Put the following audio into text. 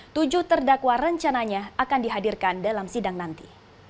tujuh terdakwa rencananya akan dihadirkan dalam sidang nanti